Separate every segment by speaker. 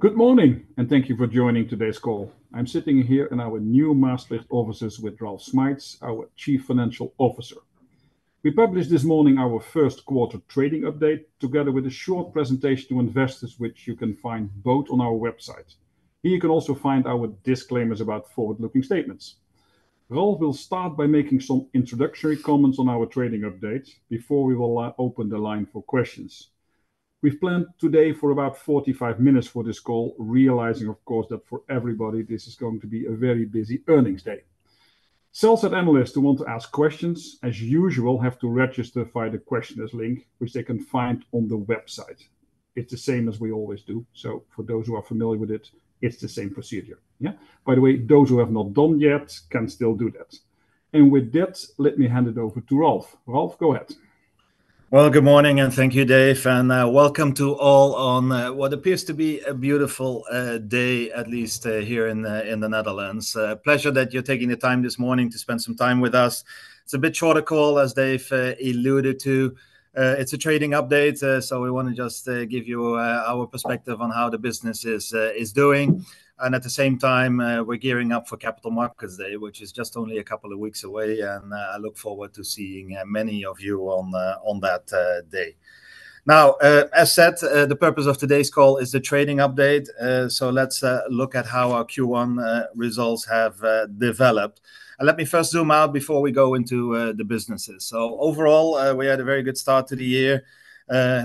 Speaker 1: Good morning, and thank you for joining today's call. I'm sitting here in our new Maastricht offices with Ralf Schmeitz, our Chief Financial Officer. We published this morning our Q1 trading update, together with a short presentation to investors, which you can find both on our website. Here you can also find our disclaimers about forward-looking statements. Ralf will start by making some introductory comments on our trading update before we will open the line for questions. We've planned today for about 45 minutes for this call, realizing, of course, that for everybody this is going to be a very busy earnings day. Sell-side analysts who want to ask questions, as usual, have to register via the questioners link, which they can find on the website. It's the same as we always do, so for those who are familiar with it, it's the same procedure, yeah? By the way, those who have not done yet can still do that. With that, let me hand it over to Ralf. Ralf, go ahead.
Speaker 2: Well, good morning, and thank you, Dave, and welcome to all on what appears to be a beautiful day, at least here in the Netherlands. A pleasure that you're taking the time this morning to spend some time with us. It's a bit short a call, as Dave alluded to. It's a trading update, so we want to just give you our perspective on how the business is doing. And at the same time, we're gearing up for Capital Markets Day, which is just only a couple of weeks away, and I look forward to seeing many of you on that day. Now, as said, the purpose of today's call is the trading update. So let's look at how our Q1 results have developed. Let me first zoom out before we go into the businesses. Overall, we had a very good start to the year.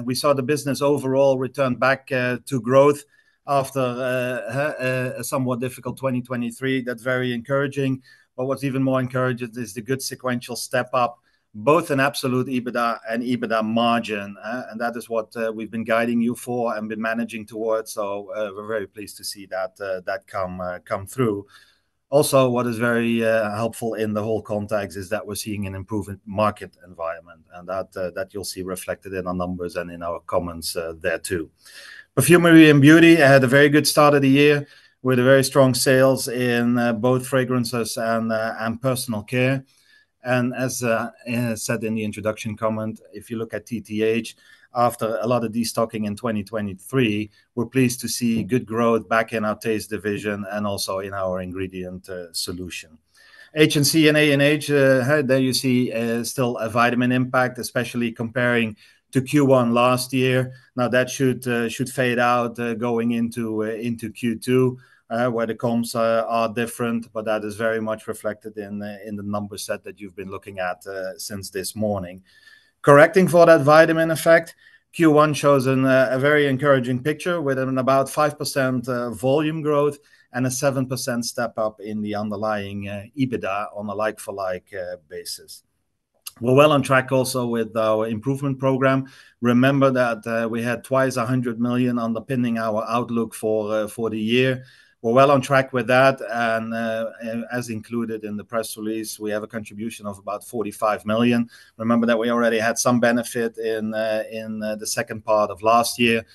Speaker 2: We saw the business overall return back to growth after a somewhat difficult 2023. That's very encouraging. What's even more encouraging is the good sequential step up, both in absolute EBITDA and EBITDA margin, and that is what we've been guiding you for and been managing towards. We're very pleased to see that come through. Also, what is very helpful in the whole context is that we're seeing an improvement market environment, and that you'll see reflected in our numbers and in our comments there, too. Perfumery and Beauty had a very good start of the year, with very strong sales in both fragrances and personal care. As said in the introduction comment, if you look at TTH, after a lot of destocking in 2023, we're pleased to see good growth back in our Taste division and also in our Ingredient Solutions. HNC and ANH, there you see still a vitamin impact, especially comparing to Q1 last year. Now, that should fade out going into Q2, where the comps are different, but that is very much reflected in the number set that you've been looking at since this morning. Correcting for that vitamin effect, Q1 shows a very encouraging picture, with about 5% volume growth and a 7% step up in the underlying EBITDA on a like-for-like basis. We're well on track also with our improvement program. Remember that we had twice 100 million underpinning our outlook for the year. We're well on track with that, and as included in the press release, we have a contribution of about 45 million. Remember that we already had some benefit in the second part of last year,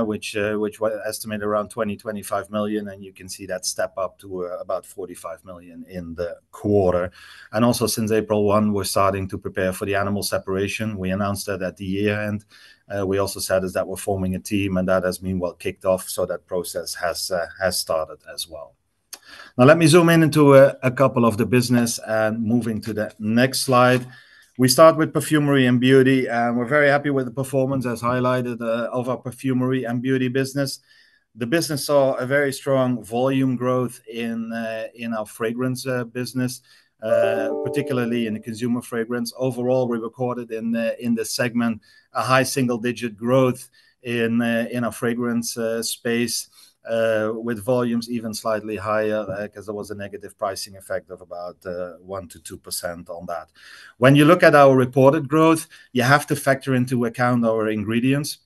Speaker 2: which was estimated around 20-25 million, and you can see that step up to about 45 million in the quarter. Also, since April 1, we're starting to prepare for the animal separation. We announced that at the year-end. We also said is that we're forming a team, and that has been well kicked off, so that process has started as well. Now, let me zoom in into a couple of the business and moving to the next slide. We start with Perfumery & Beauty, and we're very happy with the performance, as highlighted, of our Perfumery & Beauty business. The business saw a very strong volume growth in our fragrance business, particularly in the consumer fragrance. Overall, we recorded in the segment, a high single-digit growth in our fragrance space, with volumes even slightly higher, 'cause there was a negative pricing effect of about 1%-2% on that. When you look at our reported growth, you have to factor into account our ingredients,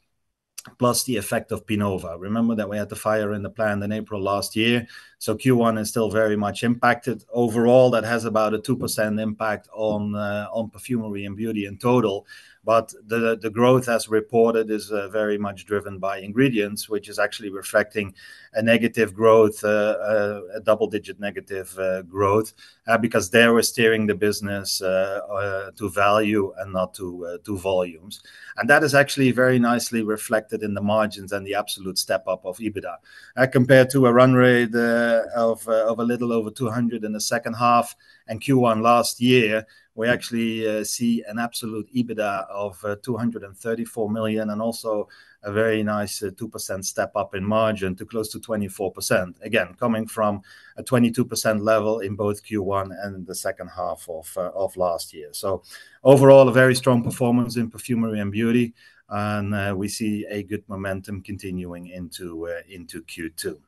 Speaker 2: plus the effect of Pinova. Remember that we had the fire in the plant in April last year, so Q1 is still very much impacted. Overall, that has about a 2% impact on Perfumery and Beauty in total, but the growth as reported is very much driven by ingredients, which is actually reflecting a negative growth, a double-digit negative growth, because there we're steering the business to value and not to volumes. And that is actually very nicely reflected in the margins and the absolute step up of EBITDA. Compared to a run rate of a little over 200 million in the second half and Q1 last year, we actually see an absolute EBITDA of 234 million, and also a very nice 2% step up in margin to close to 24%. Again, coming from a 22% level in both Q1 and the second half of last year. So overall, a very strong performance in Perfumery & Beauty, and we see a good momentum continuing into Q2.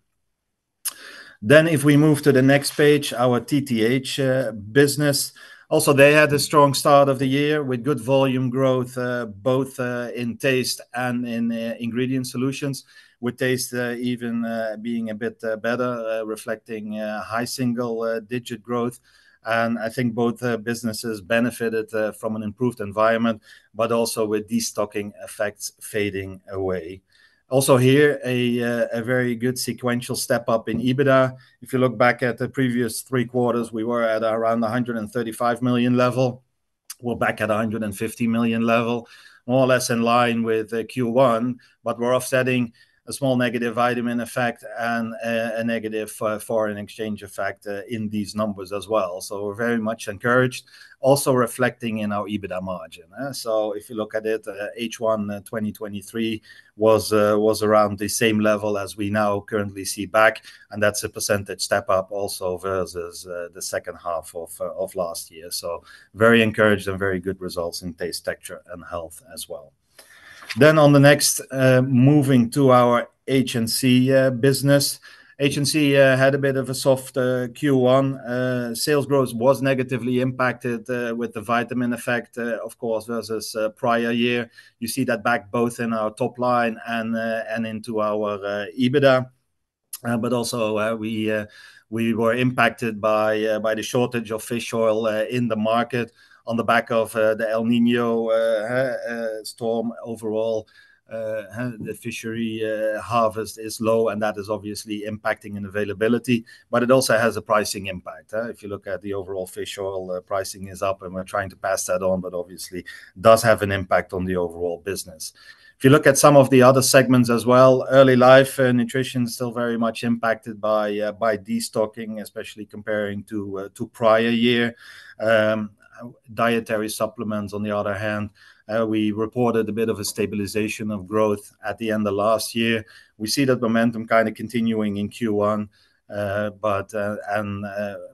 Speaker 2: Then if we move to the next page, our TTH business also they had a strong start of the year with good volume growth both in Taste and in Ingredient Solutions, with Taste even being a bit better reflecting high single-digit growth. I think both businesses benefited from an improved environment, but also with destocking effects fading away. Also here, a very good sequential step up in EBITDA. If you look back at the previous three quarters, we were at around the 135 million level. We're back at the 150 million level, more or less in line with Q1, but we're offsetting a small negative vitamin effect and a negative foreign exchange effect in these numbers as well. So we're very much encouraged, also reflecting in our EBITDA margin, eh? So if you look at it, H1 2023 was around the same level as we now currently see back, and that's a percentage step up also versus the second half of last year. So very encouraged and very good results in taste, texture, and health as well. Then on the next, moving to our HNC business. HNC had a bit of a soft Q1. Sales growth was negatively impacted with the vitamin effect, of course, versus prior year. You see that back both in our top line and and into our EBITDA. But also, we we were impacted by by the shortage of fish oil in the market on the back of the El Niño storm. Overall, the fishery harvest is low, and that is obviously impacting in availability, but it also has a pricing impact. If you look at the overall fish oil pricing is up, and we're trying to pass that on, but obviously does have an impact on the overall business. If you look at some of the other segments as well, Early Life Nutrition is still very much impacted by destocking, especially comparing to prior year. Dietary Supplements, on the other hand, we reported a bit of a stabilization of growth at the end of last year. We see that momentum kind of continuing in Q1, but and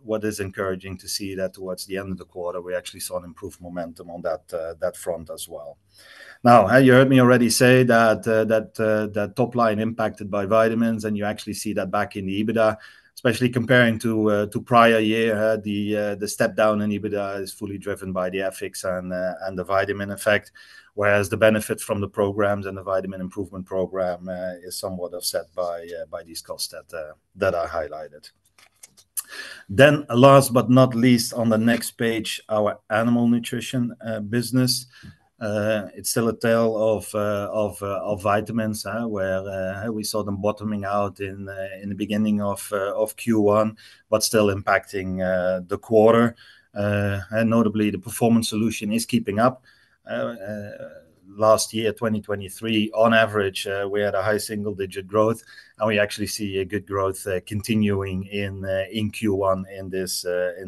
Speaker 2: what is encouraging to see that towards the end of the quarter, we actually saw an improved momentum on that front as well. Now, you heard me already say that top line impacted by vitamins, and you actually see that back in the EBITDA, especially comparing to prior year. The step down in EBITDA is fully driven by the FX and the vitamin effect, whereas the benefit from the programs and the vitamin improvement program is somewhat offset by these costs that I highlighted. Then last but not least, on the next page, our animal nutrition business. It's still a tale of vitamins, where we saw them bottoming out in the beginning of Q1, but still impacting the quarter. And notably, the Performance Solutions is keeping up. Last year, 2023, on average, we had a high single-digit growth, and we actually see a good growth continuing in Q1 in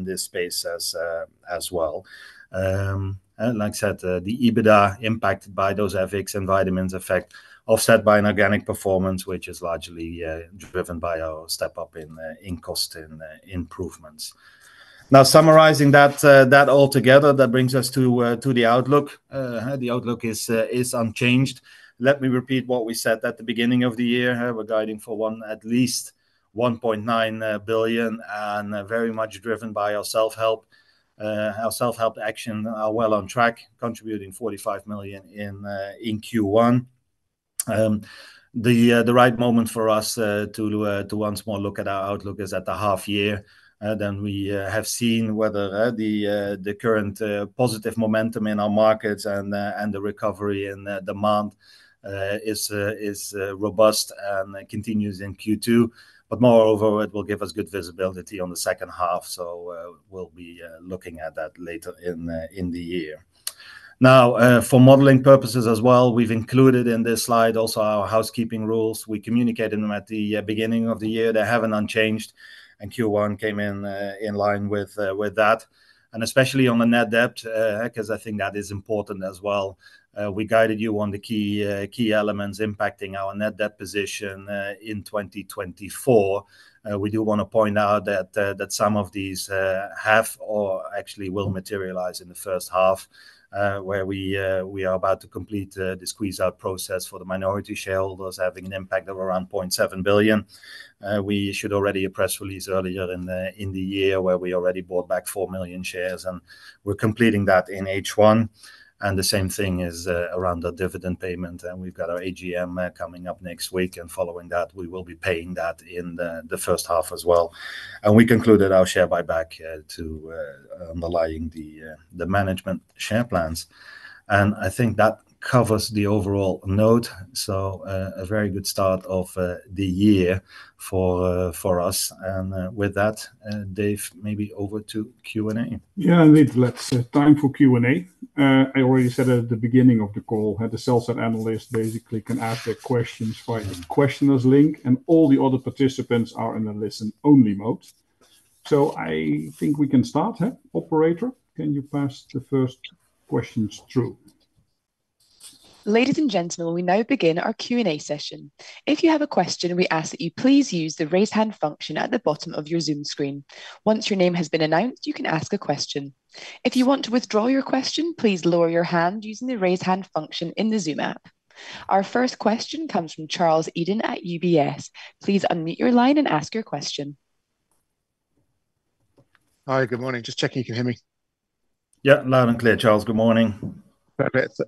Speaker 2: this space as well. Like I said, the EBITDA impacted by those FX and vitamins effect, offset by an organic performance, which is largely driven by our step-up in cost and improvements. Now, summarizing that all together, that brings us to the outlook. The outlook is unchanged. Let me repeat what we said at the beginning of the year. We're guiding for one, at least 1.9 billion, and very much driven by our self-help. Our self-help action are well on track, contributing 45 million in Q1. The right moment for us to once more look at our outlook is at the half year. Then we have seen whether the current positive momentum in our markets and the recovery in the demand is robust and continues in Q2. But moreover, it will give us good visibility on the second half, so we'll be looking at that later in the year. Now, for modeling purposes as well, we've included in this slide also our housekeeping rules. We communicated them at the beginning of the year. They haven't changed, and Q1 came in in line with that, and especially on the net debt, 'cause I think that is important as well. We guided you on the key elements impacting our net debt position in 2024. We do want to point out that some of these have or actually will materialize in the first half, where we are about to complete the squeeze-out process for the minority shareholders, having an impact of around 0.7 billion. We issued already a press release earlier in the year, where we already bought back 4 million shares, and we're completing that in H1, and the same thing is around the dividend payment. We've got our AGM coming up next week, and following that, we will be paying that in the first half as well. We concluded our share buyback to underlying the management share plans. And I think that covers the overall note, so, a very good start of the year for us. And with that, Dave, maybe over to Q&A.
Speaker 1: Yeah, indeed. Let's time for Q&A. I already said at the beginning of the call, the sell-side analysts basically can ask their questions by question queue link, and all the other participants are in a listen-only mode. So I think we can start, huh? Operator, can you pass the first questions through?
Speaker 3: Ladies and gentlemen, we now begin our Q&A session. If you have a question, we ask that you please use the Raise Hand function at the bottom of your Zoom screen. Once your name has been announced, you can ask a question. If you want to withdraw your question, please lower your hand using the Raise Hand function in the Zoom app. Our first question comes from Charles Eden at UBS. Please unmute your line and ask your question.
Speaker 4: Hi, good morning. Just checking you can hear me.
Speaker 2: Yeah, loud and clear, Charles. Good morning.
Speaker 4: Perfect.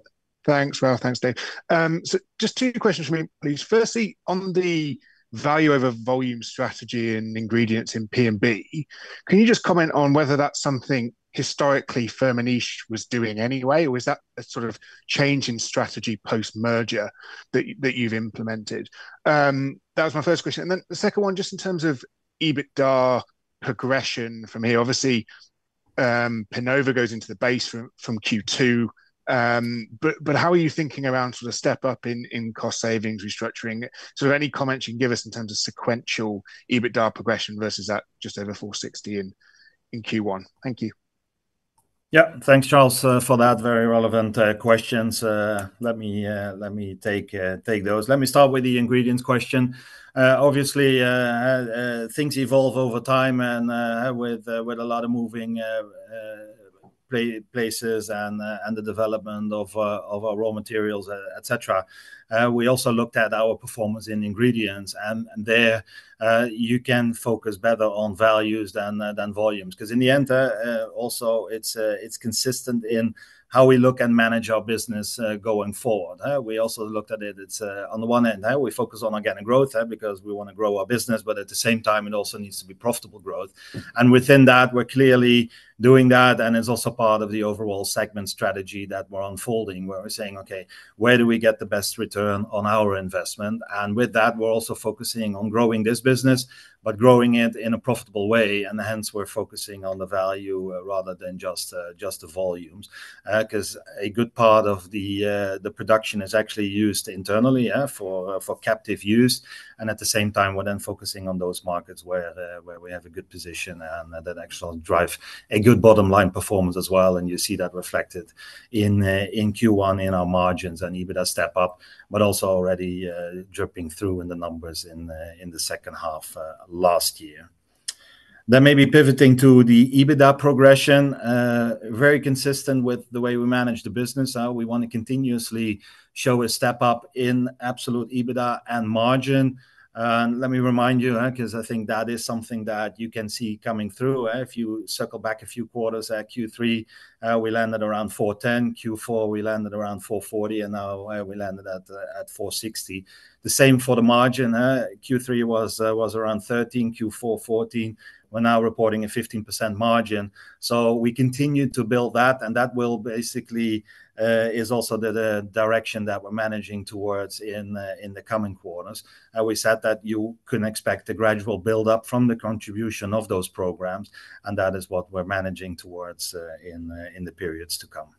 Speaker 4: Thanks, Ralf. Thanks, Dave. So just two questions for me, please. Firstly, on the value over volume strategy and ingredients in P&B, can you just comment on whether that's something historically Firmenich was doing anyway, or is that a sort of change in strategy post-merger that you've implemented? That was my first question, and then the second one, just in terms of EBITDA progression from here, obviously Pinova goes into the base from Q2. But how are you thinking around sort of step up in cost savings, restructuring? So are there any comments you can give us in terms of sequential EBITDA progression versus that just over 460 in Q1? Thank you.
Speaker 2: Yeah. Thanks, Charles, for that very relevant questions. Let me take those. Let me start with the ingredients question. Obviously, things evolve over time and, with a lot of moving parts and the development of our raw materials, et cetera. We also looked at our performance in ingredients, and there, you can focus better on values than volumes. 'Cause in the end, also it's consistent in how we look and manage our business going forward. We also looked at it, it's on the one end, we focus on organic growth, because we want to grow our business, but at the same time, it also needs to be profitable growth. And within that, we're clearly doing that, and it's also part of the overall segment strategy that we're unfolding, where we're saying, "Okay, where do we get the best return on our investment?" And with that, we're also focusing on growing this business, but growing it in a profitable way, and hence, we're focusing on the value rather than just the volumes. 'Cause a good part of the production is actually used internally, yeah, for captive use, and at the same time, we're then focusing on those markets where we have a good position, and that actually drive a good bottom line performance as well, and you see that reflected in Q1, in our margins and EBITDA step up, but also already dripping through in the numbers in the second half last year. Maybe pivoting to the EBITDA progression, very consistent with the way we manage the business. We want to continuously show a step up in absolute EBITDA and margin. Let me remind you, 'cause I think that is something that you can see coming through, if you circle back a few quarters at Q3, we landed around 410, Q4, we landed around 440, and now, we landed at 460. The same for the margin, Q3 was around 13%, Q4, 14%. We're now reporting a 15% margin. We continued to build that, and that will basically is also the direction that we're managing towards in the coming quarters. We said that you can expect a gradual build-up from the contribution of those programs, and that is what we're managing towards, in the periods to come.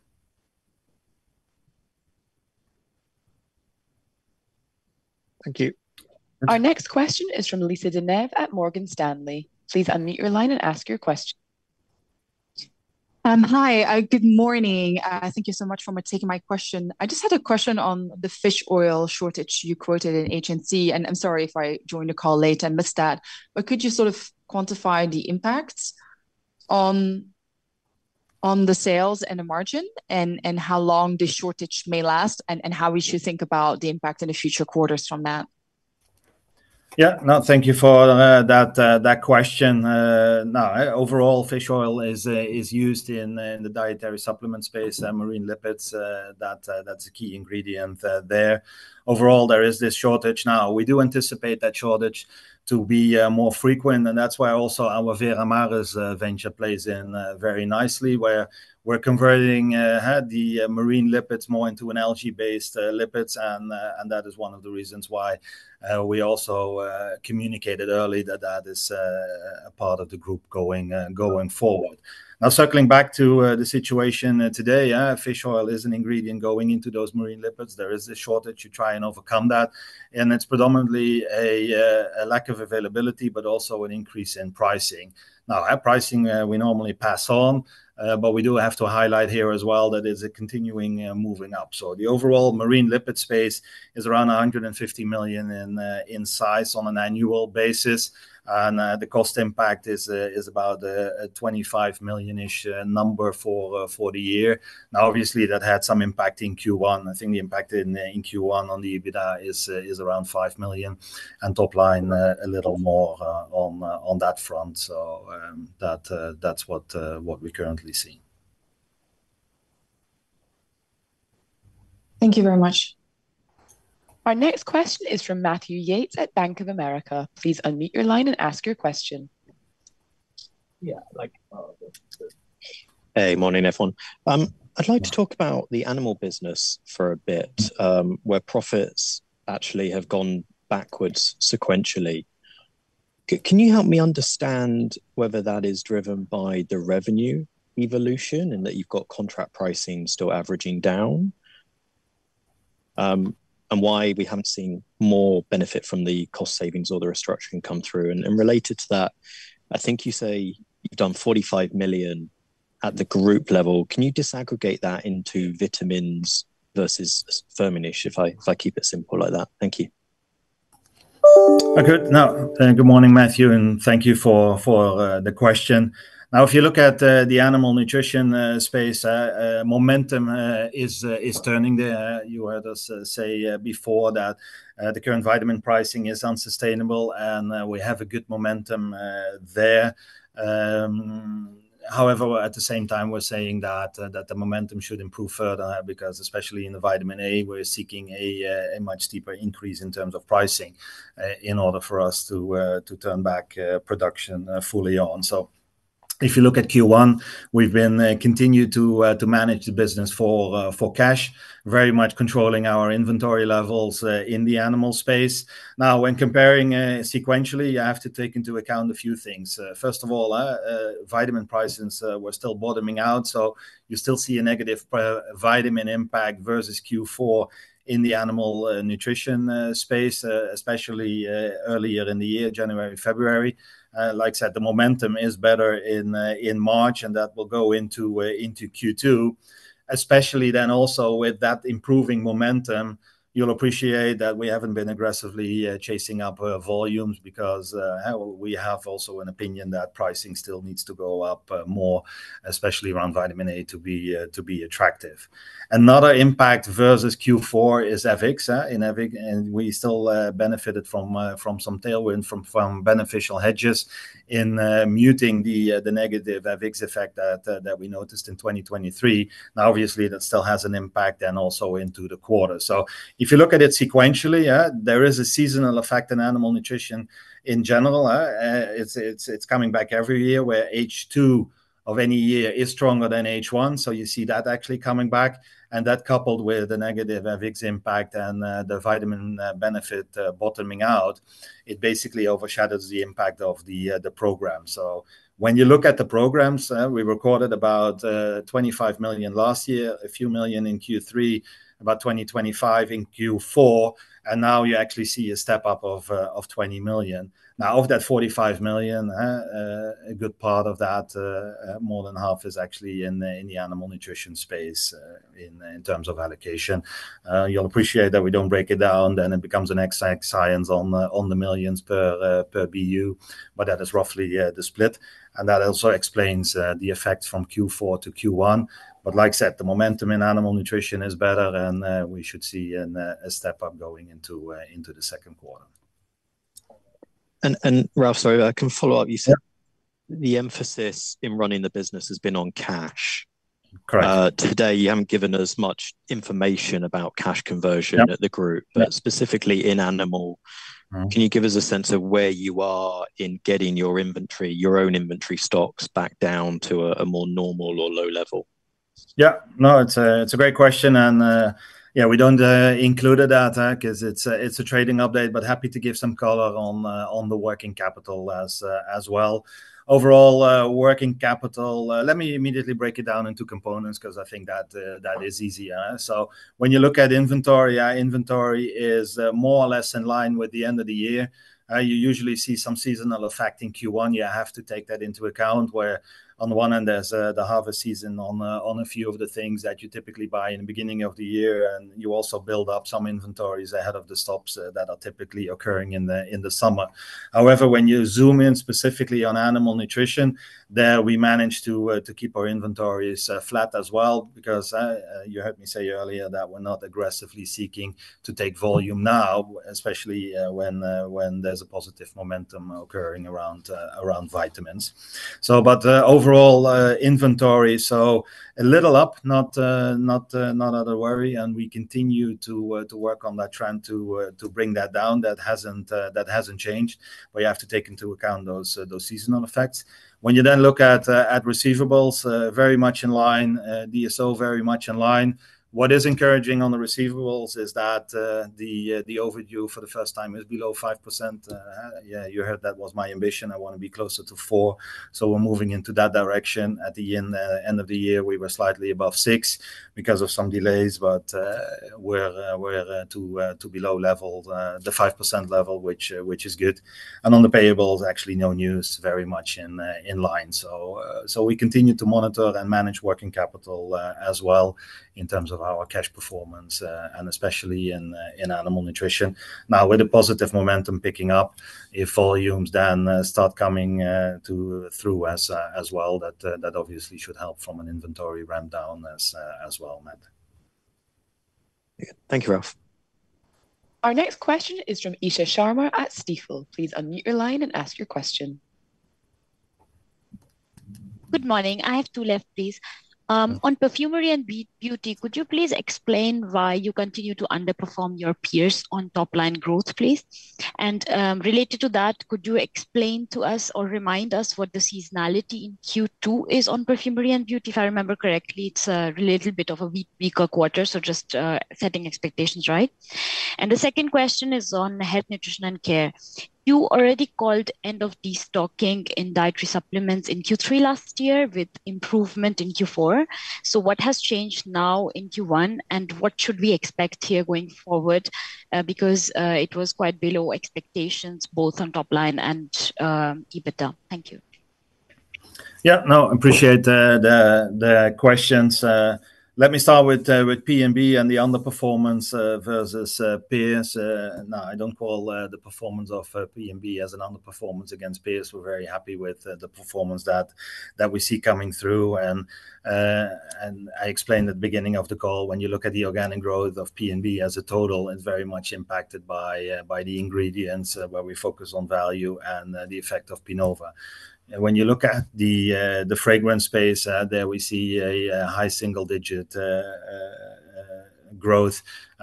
Speaker 4: Thank you.
Speaker 3: Our next question is from Lisa De Neve at Morgan Stanley. Please unmute your line and ask your question.
Speaker 5: Hi. Good morning. Thank you so much for taking my question. I just had a question on the fish oil shortage you quoted in HNC, and I'm sorry if I joined the call late and missed that, but could you sort of quantify the impacts on the sales and the margin, and how long this shortage may last, and how we should think about the impact in the future quarters from that?
Speaker 2: Yeah, no, thank you for that question. Now, overall, fish oil is used in the dietary supplement space and marine lipids, that's a key ingredient there. Overall, there is this shortage now. We do anticipate that shortage to be more frequent, and that's why also our Veramaris venture plays in very nicely, where we're converting the marine lipids more into an algae-based lipids. And that is one of the reasons why we also communicated early that that is a part of the group going forward. Now, circling back to the situation today, fish oil is an ingredient going into those marine lipids. There is a shortage to try and overcome that, and it's predominantly a lack of availability, but also an increase in pricing. Now, our pricing, we normally pass on, but we do have to highlight here as well that it's continuing moving up. So the overall marine lipid space is around 150 million in size on an annual basis, and the cost impact is about a 25 million-ish number for the year. Now, obviously, that had some impact in Q1. I think the impact in Q1 on the EBITDA is around 5 million, and top line a little more on that front. So, that that's what we're currently seeing.
Speaker 5: Thank you very much.
Speaker 3: Our next question is from Matthew Yates at Bank of America. Please unmute your line and ask your question.
Speaker 6: Yeah, like, good morning, everyone. I'd like-
Speaker 2: Yeah...
Speaker 6: to talk about the animal business for a bit, where profits actually have gone backwards sequentially. Can you help me understand whether that is driven by the revenue evolution, and that you've got contract pricing still averaging down? And why we haven't seen more benefit from the cost savings or the restructuring come through? And related to that, I think you say you've done 45 million at the group level. Can you disaggregate that into vitamins versus fermentations, if I keep it simple like that? Thank you.
Speaker 2: Okay. Now, good morning, Matthew, and thank you for the question. Now, if you look at the animal nutrition space, momentum is turning there. You heard us say before that the current vitamin pricing is unsustainable, and we have a good momentum there. However, at the same time, we're saying that the momentum should improve further, because especially in the Vitamin A, we're seeking a much steeper increase in terms of pricing, in order for us to turn back production fully on. So, if you look at Q1, we've continued to manage the business for cash, very much controlling our inventory levels in the animal space. Now, when comparing sequentially, you have to take into account a few things. First of all, vitamin prices were still bottoming out, so you still see a negative vitamin impact versus Q4 in the animal nutrition space, especially earlier in the year, January, February. Like I said, the momentum is better in March, and that will go into Q2, especially then also with that improving momentum, you'll appreciate that we haven't been aggressively chasing up volumes because we have also an opinion that pricing still needs to go up more, especially around Vitamin A, to be attractive. Another impact versus Q4 is FX in Q1, and we still benefited from some tailwind from beneficial hedges in muting the negative FX effect that we noticed in 2023. Now, obviously, that still has an impact then also into the quarter. So if you look at it sequentially, yeah, there is a seasonal effect in animal nutrition in general. It's coming back every year, where H2 of any year is stronger than H1, so you see that actually coming back. And that, coupled with the negative FX impact and the vitamin benefit bottoming out, it basically overshadows the impact of the program. So when you look at the programs, we recorded about 25 million last year, a few million in Q3, about 20-25 million in Q4, and now you actually see a step up of 20 million. Now, of that 45 million, a good part of that, more than half, is actually in the animal nutrition space, in terms of allocation. You'll appreciate that we don't break it down, then it becomes an exact science on the millions per per BU, but that is roughly, yeah, the split. And that also explains the effects from Q4 to Q1. But like I said, the momentum in animal nutrition is better than we should see in a step up going into the Q2.
Speaker 6: Ralf, sorry, I can follow up.
Speaker 2: Yeah.
Speaker 6: You said the emphasis in running the business has been on cash.
Speaker 2: Correct.
Speaker 6: Today, you haven't given us much information about cash conversion-
Speaker 2: Yep...
Speaker 6: at the group, but specifically in animal-
Speaker 2: Mm-hmm...
Speaker 6: can you give us a sense of where you are in getting your inventory, your own inventory stocks back down to a more normal or low level?
Speaker 2: Yeah, no, it's a great question, and yeah, we don't include the data because it's a trading update, but happy to give some color on the working capital as well. Overall, working capital, let me immediately break it down into components because I think that is easier. So when you look at inventory, our inventory is more or less in line with the end of the year. You usually see some seasonal effect in Q1. You have to take that into account, where on the one hand, there's the harvest season on a few of the things that you typically buy in the beginning of the year, and you also build up some inventories ahead of the stops that are typically occurring in the summer. However, when you zoom in specifically on animal nutrition, there we manage to keep our inventories flat as well because you heard me say earlier that we're not aggressively seeking to take volume now, especially when there's a positive momentum occurring around vitamins. So, but overall inventory so a little up, not a worry, and we continue to work on that trend to bring that down. That hasn't changed, but you have to take into account those seasonal effects. When you then look at receivables, very much in line, DSO, very much in line. What is encouraging on the receivables is that the overdue for the first time is below 5%. Yeah, you heard that was my ambition. I want to be closer to four, so we're moving into that direction. At the end of the year, we were slightly above six because of some delays, but we're to below the 5% level, which is good. And on the payables, actually, no news, very much in line. So we continue to monitor and manage working capital as well in terms of our cash performance, and especially in animal nutrition. Now, with the positive momentum picking up, if volumes then start coming through as well, that obviously should help from an inventory rundown as well, Matt.
Speaker 6: Thank you, Ralf.
Speaker 3: Our next question is from Isha Sharma at Stifel. Please unmute your line and ask your question.
Speaker 7: Good morning. I have two left, please. On perfumery and beauty, could you please explain why you continue to underperform your peers on top line growth, please? And, related to that, could you explain to us or remind us what the seasonality in Q2 is on perfumery and beauty? If I remember correctly, it's a little bit of a weak, weaker quarter, so just setting expectations right. And the second question is on health, nutrition, and care. You already called end of destocking in dietary supplements in Q3 last year, with improvement in Q4. So what has changed now in Q1, and what should we expect here going forward? Because it was quite below expectations, both on top line and EBITDA. Thank you.
Speaker 2: Yeah, no, appreciate the questions. Let me start with P&B and the underperformance versus peers. No, I don't call the performance of P&B as an underperformance against peers. We're very happy with the performance that we see coming through, and I explained at the beginning of the call, when you look at the organic growth of P&B as a total, it's very much impacted by the ingredients, where we focus on value and the effect of Pinova. When you look at the fragrance space, there we see a high single digit growth,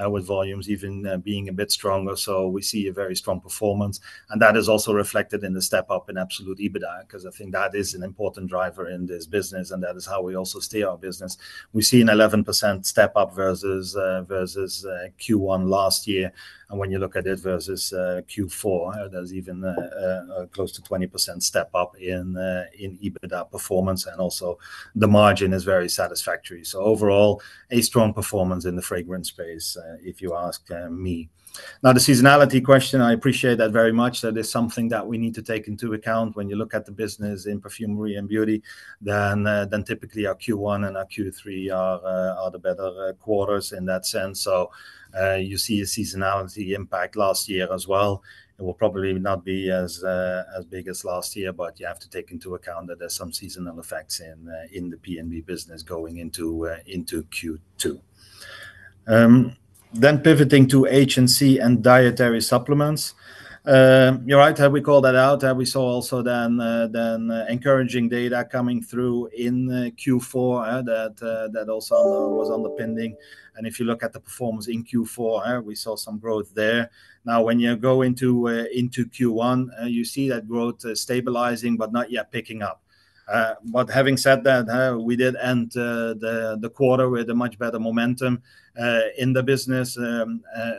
Speaker 2: with volumes even being a bit stronger. So we see a very strong performance, and that is also reflected in the step up in absolute EBITDA, 'cause I think that is an important driver in this business, and that is how we also steer our business. We see an 11% step-up versus Q1 last year. And when you look at it versus Q4, there's even a close to 20% step-up in EBITDA performance, and also the margin is very satisfactory. So overall, a strong performance in the fragrance space, if you ask me. Now, the seasonality question, I appreciate that very much. That is something that we need to take into account when you look at the business in perfumery and beauty, then typically our Q1 and our Q3 are the better quarters in that sense. So, you see a seasonality impact last year as well. It will probably not be as big as last year, but you have to take into account that there's some seasonal effects in the P&B business going into Q2. Then pivoting to HNC and dietary supplements, you're right, we call that out. We saw also then encouraging data coming through in Q4, that also was underpinned. And if you look at the performance in Q4, we saw some growth there. Now, when you go into Q1, you see that growth stabilizing but not yet picking up. But having said that, we did end the quarter with a much better momentum in the business,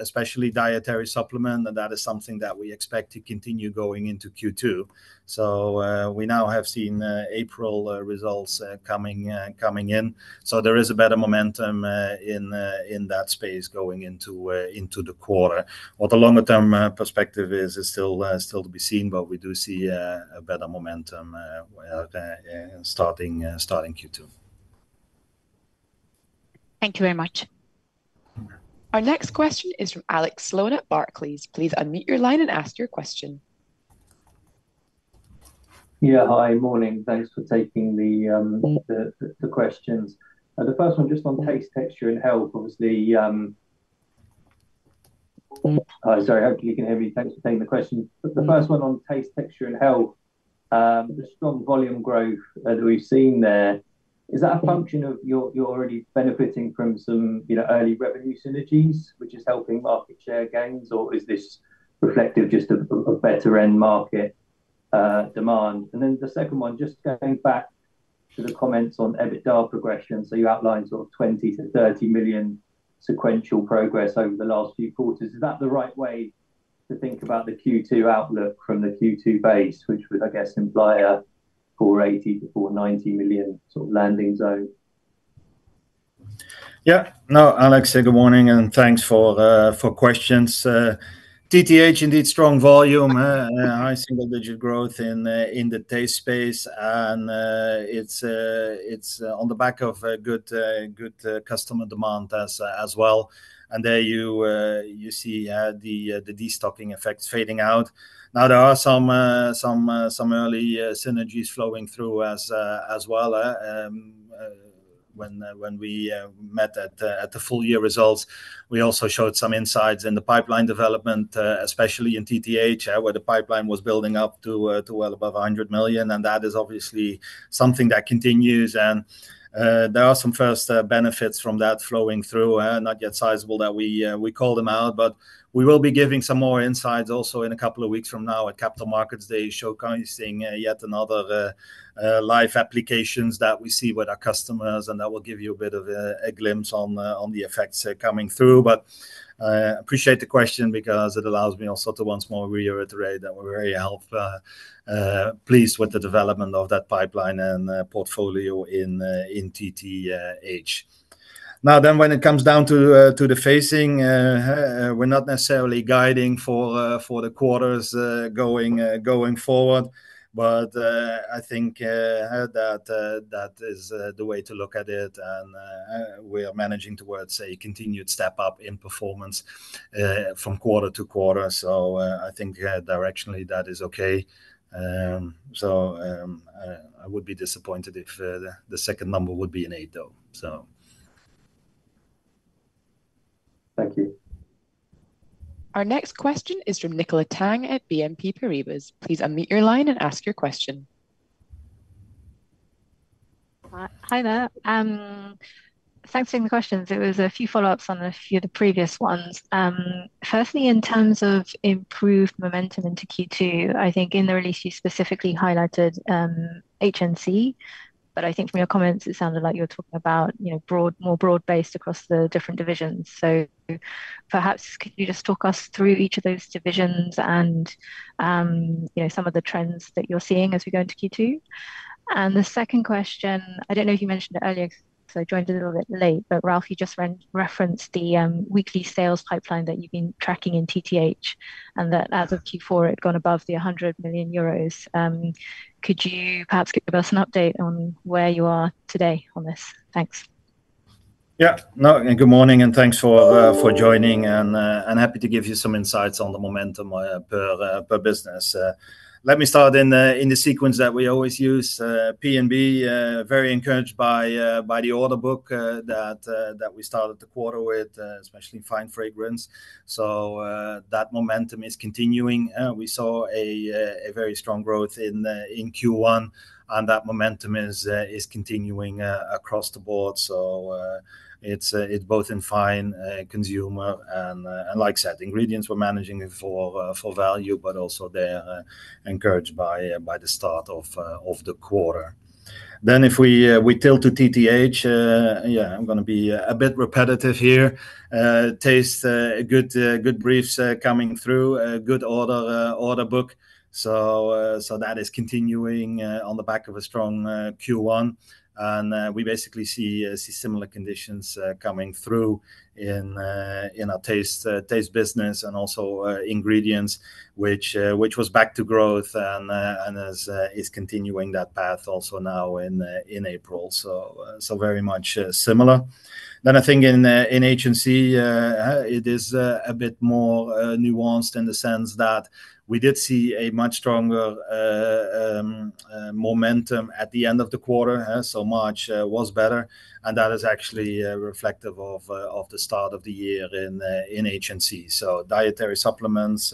Speaker 2: especially dietary supplement, and that is something that we expect to continue going into Q2. So, we now have seen April results coming in. So there is a better momentum in that space going into the quarter. What the longer-term perspective is, is still to be seen, but we do see a better momentum starting Q2.
Speaker 7: Thank you very much.
Speaker 3: Our next question is from Alex Sloane at Barclays. Please unmute your line and ask your question.
Speaker 8: Yeah, hi. Morning. Thanks for taking the questions. The first one, just on Taste, Texture, and Health, obviously. Sorry, hopefully you can hear me. Thanks for taking the question. The first one on Taste, Texture, and Health, the strong volume growth that we've seen there, is that a function of you're already benefiting from some, you know, early revenue synergies, which is helping market share gains, or is this reflective just of a better end market demand? And then the second one, just going back to the comments on EBITDA progression, so you outlined sort of 20 million-30 million sequential progress over the last few quarters. Is that the right way to think about the Q2 outlook from the Q2 base, which would, I guess, imply a 480 million-490 million sort of landing zone?
Speaker 2: Yeah. No, Alex, good morning, and thanks for questions. TTH, indeed, strong volume, high single-digit growth in the taste space, and it's on the back of a good customer demand as well. And there you see the destocking effects fading out. Now, there are some early synergies flowing through as well. When we met at the full year results, we also showed some insights in the pipeline development, especially in TTH, where the pipeline was building up to well above 100 million, and that is obviously something that continues. There are some first benefits from that flowing through, not yet sizable, that we call them out. But we will be giving some more insights also in a couple of weeks from now at Capital Markets Day, showcasing yet another live applications that we see with our customers, and that will give you a bit of a glimpse on the effects coming through. But appreciate the question because it allows me also to once more reiterate that we're very healthily pleased with the development of that pipeline and portfolio in TTH. Now, then, when it comes down to the facing, we're not necessarily guiding for the quarters going forward, but I think that is the way to look at it, and we are managing towards a continued step up in performance from quarter to quarter. So, I think directionally, that is okay. So, I would be disappointed if the second number would be an 8, though, so...
Speaker 8: Thank you.
Speaker 3: Our next question is from Nicola Tang at BNP Paribas. Please unmute your line and ask your question.
Speaker 9: Hi, hi there. Thanks for taking the questions. It was a few follow-ups on a few of the previous ones. Firstly, in terms of improved momentum into Q2, I think in the release you specifically highlighted HNC, but I think from your comments, it sounded like you were talking about, you know, broad, more broad-based across the different divisions. So perhaps could you just talk us through each of those divisions and, you know, some of the trends that you're seeing as we go into Q2? And the second question, I don't know if you mentioned it earlier, so I joined a little bit late, but Ralf, you just referenced the weekly sales pipeline that you've been tracking in TTH, and that as of Q4, it had gone above 100 million euros. Could you perhaps give us an update on where you are today on this? Thanks....
Speaker 2: Yeah. No, and good morning, and thanks for joining, and happy to give you some insights on the momentum per business. Let me start in the sequence that we always use, P&B, very encouraged by the order book that we started the quarter with, especially in Fine Fragrance. So, that momentum is continuing. We saw a very strong growth in Q1, and that momentum is continuing across the board. So, it's both in fine consumer, and like I said, ingredients we're managing it for value, but also they're encouraged by the start of the quarter. Then if we tilt to TTH, yeah, I'm gonna be a bit repetitive here. Taste, good briefs coming through, a good order book. So that is continuing on the back of a strong Q1, and we basically see similar conditions coming through in our taste business, and also ingredients, which was back to growth and is continuing that path also now in April, so very much similar. Then I think in HNC, it is a bit more nuanced in the sense that we did see a much stronger momentum at the end of the quarter. So March was better, and that is actually reflective of the start of the year in HNC. So dietary supplements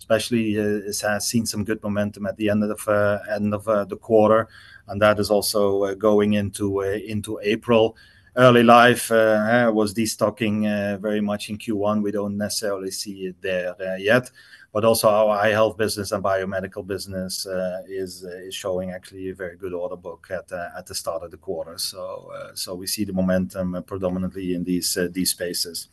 Speaker 2: especially has seen some good momentum at the end of the quarter, and that is also going into April. Early life was destocking very much in Q1. We don't necessarily see it there yet, but also our eye health business and biomedical business is showing actually a very good order book at the start of the quarter. So we see the momentum predominantly in these spaces.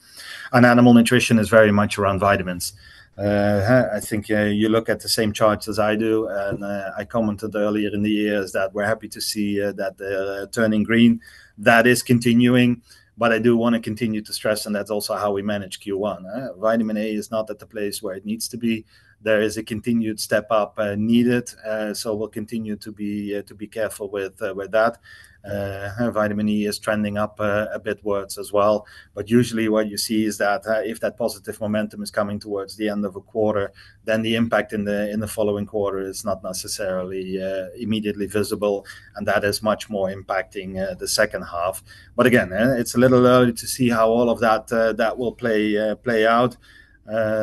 Speaker 2: And animal nutrition is very much around vitamins. I think you look at the same charts as I do, and I commented earlier in the year that we're happy to see that turning green. That is continuing, but I do wanna continue to stress, and that's also how we manage Q1. Vitamin A is not at the place where it needs to be. There is a continued step up needed, so we'll continue to be careful with that. Vitamin E is trending up a bitwards as well, but usually what you see is that if that positive momentum is coming towards the end of a quarter, then the impact in the following quarter is not necessarily immediately visible, and that is much more impacting the second half. But again, it's a little early to see how all of that will play out.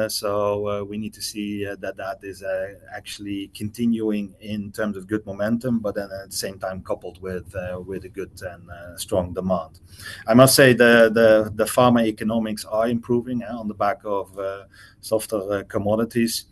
Speaker 2: So, we need to see that that is actually continuing in terms of good momentum, but then at the same time coupled with a good and strong demand. I must say, the pharma economics are improving on the back of softer commodities.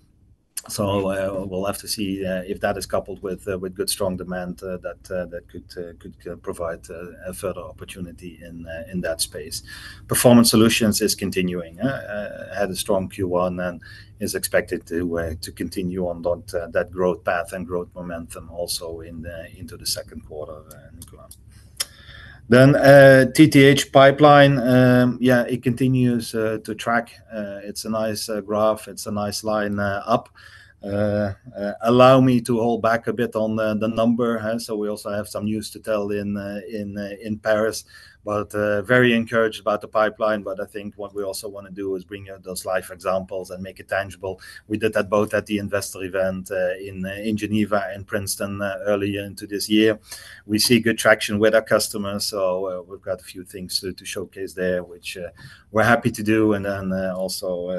Speaker 2: So, we'll have to see if that is coupled with good, strong demand, that could provide a further opportunity in that space. Performance solutions is continuing, had a strong Q1 and is expected to continue on that growth path and growth momentum also into the Q2 and going on. Then, TTH pipeline, yeah, it continues to track. It's a nice graph. It's a nice line up. Allow me to hold back a bit on the number, so we also have some news to tell in Paris, but very encouraged about the pipeline, but I think what we also wanna do is bring out those life examples and make it tangible. We did that both at the investor event in Geneva and Princeton earlier into this year. We see good traction with our customers, so we've got a few things to showcase there, which we're happy to do, and then also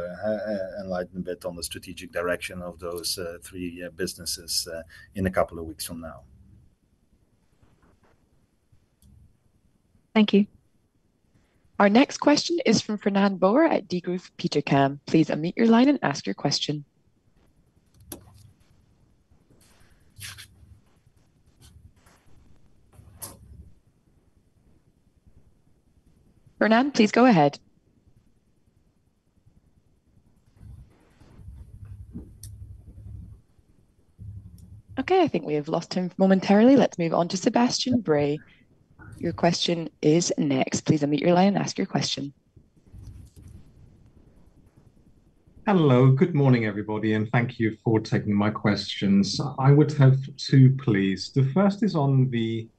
Speaker 2: enlighten a bit on the strategic direction of those three businesses in a couple of weeks from now.
Speaker 3: Thank you. Our next question is from Fernand de Boer at Degroof Petercam. Please unmute your line and ask your question. Fernand, please go ahead. Okay, I think we have lost him momentarily. Let's move on to Sebastian Bray. Your question is next. Please unmute your line and ask your question.
Speaker 10: Hello. Good morning, everybody, and thank you for taking my questions. I would have two, please. The first is on the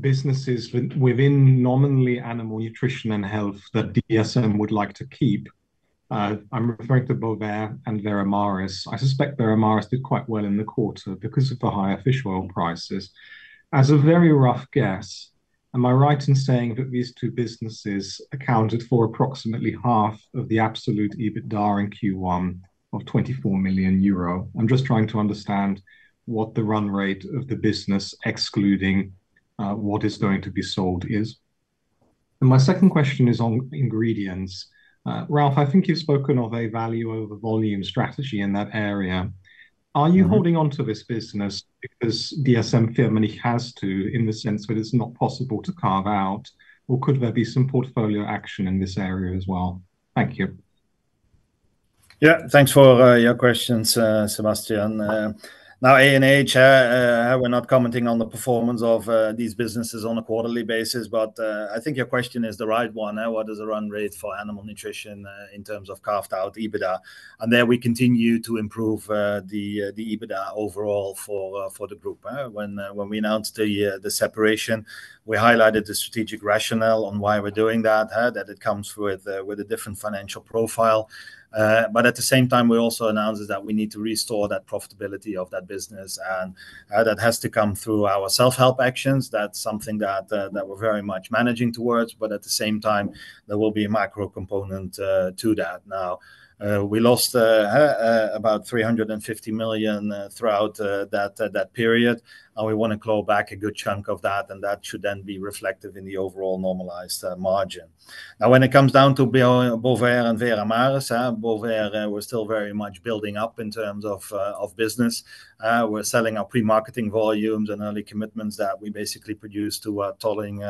Speaker 10: businesses within Animal Nutrition & Health that DSM-Firmenich would like to keep. I'm referring to Bovaer and Veramaris. I suspect Veramaris did quite well in the quarter because of the higher fish oil prices. As a very rough guess, am I right in saying that these two businesses accounted for approximately half of the absolute EBITDA in Q1 of 24 million euro? I'm just trying to understand what the run rate of the business, excluding what is going to be sold, is. And my second question is on ingredients. Ralf, I think you've spoken of a value over volume strategy in that area.
Speaker 2: Mm-hmm.
Speaker 10: Are you holding on to this business because DSM firmly has to, in the sense that it's not possible to carve out, or could there be some portfolio action in this area as well? Thank you....
Speaker 2: Yeah, thanks for your questions, Sebastian. Now A&H, we're not commenting on the performance of these businesses on a quarterly basis, but I think your question is the right one. Now, what is the run rate for animal nutrition in terms of carved out EBITDA? And there we continue to improve the EBITDA overall for the group. When we announced the separation, we highlighted the strategic rationale on why we're doing that, that it comes with a different financial profile. But at the same time, we also announced that we need to restore that profitability of that business, and that has to come through our self-help actions. That's something that we're very much managing towards, but at the same time, there will be a macro component to that. Now, we lost about 350 million throughout that period, and we wanna claw back a good chunk of that, and that should then be reflective in the overall normalized margin. Now, when it comes down to Bovaer and Veramaris, Bovaer, we're still very much building up in terms of business. We're selling our pre-marketing volumes and early commitments that we basically produce to a tolling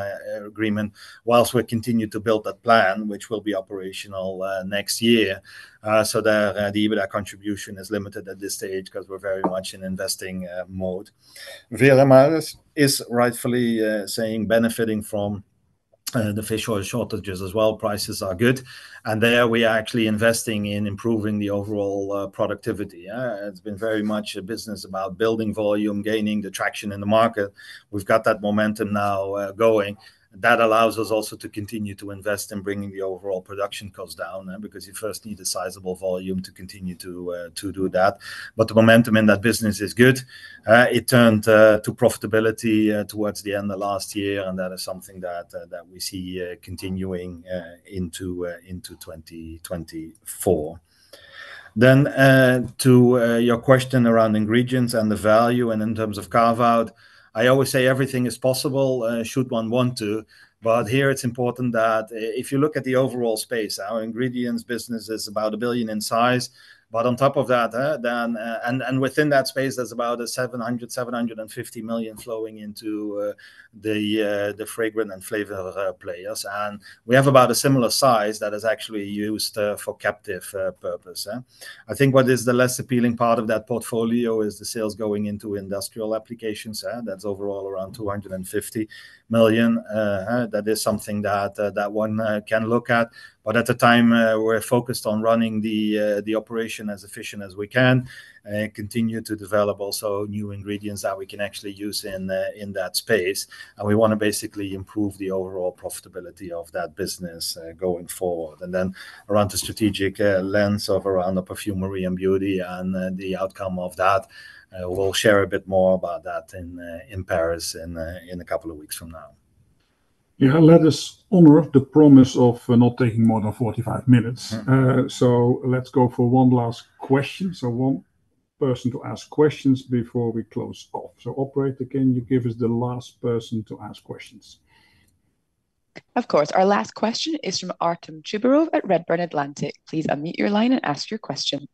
Speaker 2: agreement, while we continue to build that plant, which will be operational next year. So the EBITDA contribution is limited at this stage 'cause we're very much in investing mode. Veramaris is rightfully benefiting from the fish oil shortages as well. Prices are good, and there we are actually investing in improving the overall productivity. It's been very much a business about building volume, gaining the traction in the market. We've got that momentum now going. That allows us also to continue to invest in bringing the overall production cost down, because you first need a sizable volume to continue to do that. But the momentum in that business is good. It turned to profitability towards the end of last year, and that is something that we see continuing into 2024. Then, to your question around ingredients and the value and in terms of carve-out, I always say everything is possible, should one want to. But here it's important that if you look at the overall space, our ingredients business is about 1 billion in size, but on top of that, then. And, and within that space, there's about 700-750 million flowing into the fragrance and flavor players. And we have about a similar size that is actually used for captive purpose. I think what is the less appealing part of that portfolio is the sales going into industrial applications, that's overall around 250 million. That is something that one can look at, but at the time, we're focused on running the operation as efficient as we can, continue to develop also new ingredients that we can actually use in that space, and we wanna basically improve the overall profitability of that business, going forward. And then around the strategic lens of around the perfumery and beauty and the outcome of that, we'll share a bit more about that in Paris in a couple of weeks from now.
Speaker 1: Yeah, let us honor the promise of not taking more than 45 minutes.
Speaker 2: Mm.
Speaker 1: So let's go for one last question. So one person to ask questions before we close off. So operator, can you give us the last person to ask questions?
Speaker 3: Of course. Our last question is from Artem Chubarov at Redburn Atlantic. Please unmute your line and ask your question.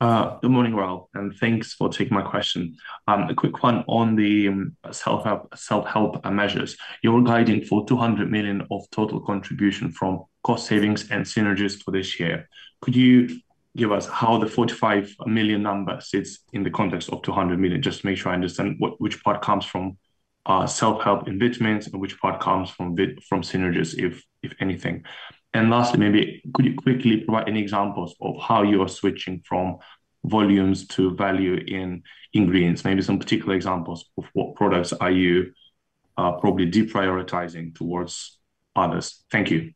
Speaker 11: Good morning, Ralf, and thanks for taking my question. A quick one on the self-help, self-help measures. You're guiding for 200 million of total contribution from cost savings and synergies for this year. Could you give us how the 45 million number sits in the context of 200 million? Just to make sure I understand what, which part comes from self-help commitments and which part comes from from synergies, if, if anything. And lastly, maybe could you quickly provide any examples of how you are switching from volumes to value in ingredients? Maybe some particular examples of what products are you probably deprioritizing towards others. Thank you.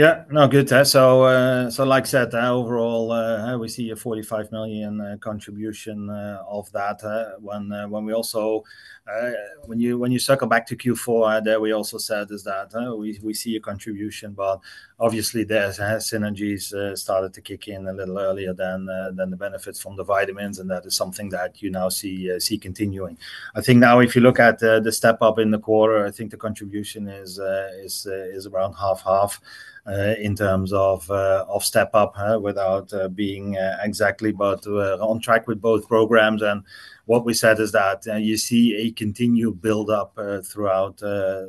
Speaker 2: Yeah. No, good. So, so like I said, overall, we see a 45 million contribution of that, when we also. When you, when you circle back to Q4, there we also said is that, we, we see a contribution, but obviously there's synergies started to kick in a little earlier than, than the benefits from the vitamins, and that is something that you now see, see continuing. I think now if you look at, the step up in the quarter, I think the contribution is, is, is around 50/50, in terms of, of step up, without, being, exactly, but, on track with both programs. And what we said is that you see a continued build-up throughout the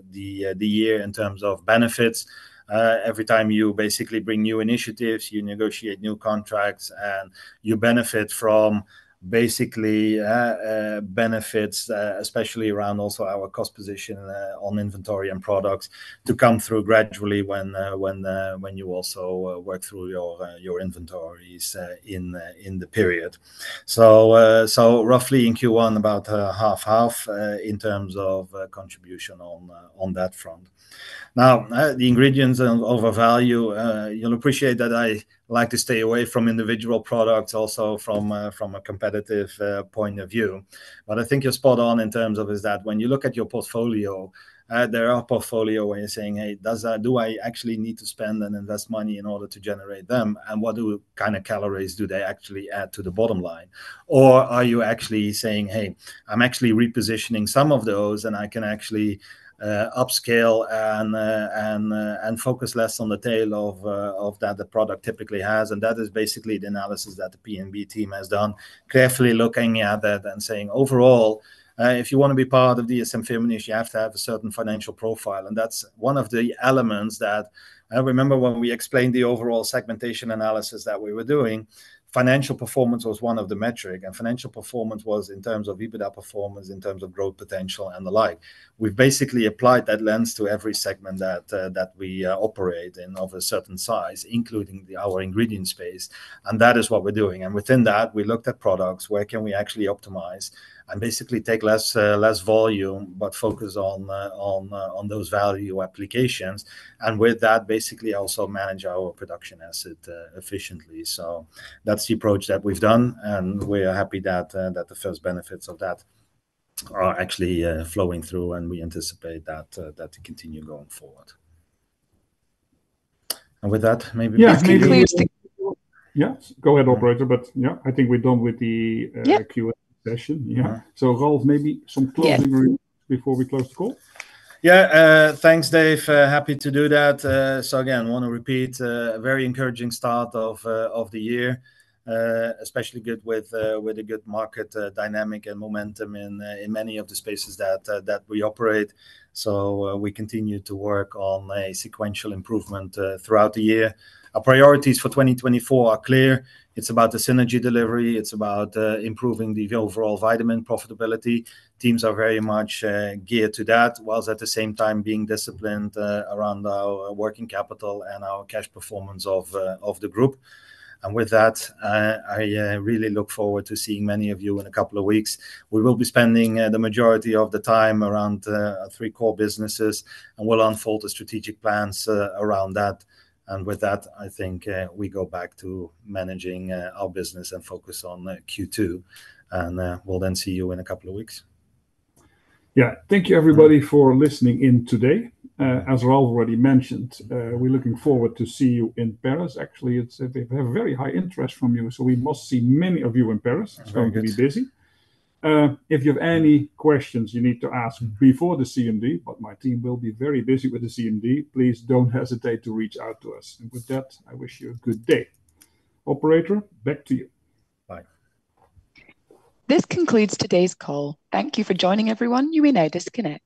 Speaker 2: year in terms of benefits. Every time you basically bring new initiatives, you negotiate new contracts, and you benefit from basically benefits, especially around also our cost position on inventory and products, to come through gradually when when when you also work through your your inventories in in the period. So so roughly in Q1, about half/half in terms of contribution on on that front. Now the ingredients of of a value you'll appreciate that I like to stay away from individual products, also from a from a competitive point of view. But I think you're spot on in terms of is that when you look at your portfolio, there are portfolios where you're saying, "Hey, do I actually need to spend and invest money in order to generate them? And what kind of calories do they actually add to the bottom line?" Or are you actually saying, "Hey, I'm actually repositioning some of those, and I can actually upscale and focus less on the tail of the product typically has." And that is basically the analysis that the P&B team has done, carefully looking at that and saying, "Overall, if you want to be part of dsm-firmenich, you have to have a certain financial profile." And that's one of the elements that... I remember when we explained the overall segmentation analysis that we were doing, financial performance was one of the metric, and financial performance was in terms of EBITDA performance, in terms of growth potential, and the like. We've basically applied that lens to every segment that we operate in of a certain size, including our ingredient space, and that is what we're doing. And within that, we looked at products, where can we actually optimize and basically take less volume, but focus on those value applications, and with that, basically also manage our production asset efficiently. So that's the approach that we've done, and we are happy that the first benefits of that are actually flowing through, and we anticipate that to continue going forward. And with that, maybe-
Speaker 1: Yeah, maybe-
Speaker 3: That concludes the-
Speaker 1: Yeah, go ahead, operator, but, yeah, I think we're done with the.
Speaker 3: Yeah...
Speaker 1: Q&A session. Yeah. So Ralf, maybe some closing remarks-
Speaker 3: Yeah...
Speaker 1: before we close the call?
Speaker 2: Yeah. Thanks, Dave. Happy to do that. So again, want to repeat a very encouraging start of the year, especially good with a good market dynamic and momentum in many of the spaces that we operate. So, we continue to work on a sequential improvement throughout the year. Our priorities for 2024 are clear: it's about the synergy delivery, it's about improving the overall vitamin profitability. Teams are very much geared to that, whilst at the same time being disciplined around our working capital and our cash performance of the group. And with that, I really look forward to seeing many of you in a couple of weeks. We will be spending the majority of the time around three core businesses, and we'll unfold the strategic plans around that. With that, I think, we go back to managing our business and focus on Q2, and we'll then see you in a couple of weeks.
Speaker 1: Yeah. Thank you, everybody, for listening in today. As Ralf already mentioned, we're looking forward to see you in Paris. Actually, it's, we have a very high interest from you, so we must see many of you in Paris.
Speaker 2: That's right.
Speaker 1: It's going to be busy. If you have any questions you need to ask before the CMD, but my team will be very busy with the CMD, please don't hesitate to reach out to us. And with that, I wish you a good day. Operator, back to you.
Speaker 2: Bye.
Speaker 3: This concludes today's call. Thank you for joining, everyone. You may now disconnect.